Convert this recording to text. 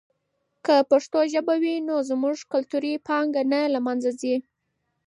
که پښتو ژبه وي نو زموږ کلتوري پانګه نه له منځه ځي.